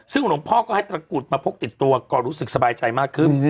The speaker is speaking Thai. ซึ่งหลวงพ่อก็ให้ตระกุดมาพกติดตัวก็รู้สึกสบายใจมากขึ้น